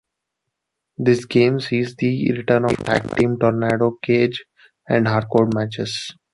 This game sees the return of Tag Team, Tornado, Cage and Hardcore matches.